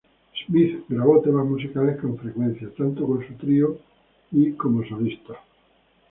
Smith grabó temas musicales con frecuencia, tanto con su trío y como solista.